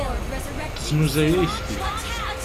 Teznuzay ayefki.